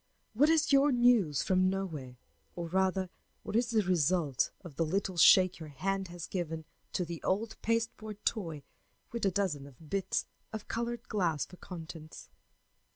What is your News from Nowhere, or, rather, what is the result of the little shake your hand has given to the old pasteboard toy with a dozen bits of colored glass for contents?